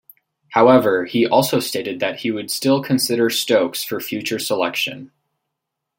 However, he also stated that he would still consider Stokes for future selection.